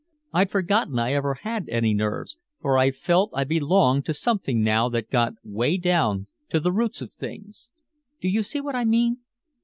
I'd forgotten I ever had any nerves, for I felt I belonged to something now that got way down to the roots of things. Do you see what I mean?